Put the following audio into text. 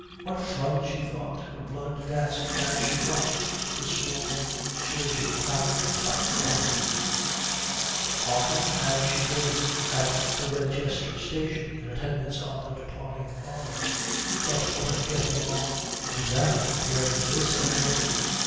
"What fun," she thought, her blood dancing as she watched the swarming, surging platform, "what fun." Often had she been at the Redchester station in attendance on her departing father, but what a getting off was that compared with this hilarity.